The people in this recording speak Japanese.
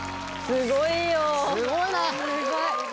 すごい！